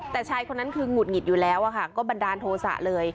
แต่ชายคนนั้นคือหงุดหงิดอยู่แล้วก็บันดาลโทษะเลย